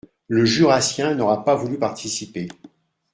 Le Jurassien n’aura pas voulu participer